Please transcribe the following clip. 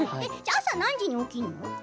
朝は何時に起きるの？